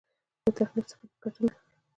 له تخنيک څخه په ګټنه.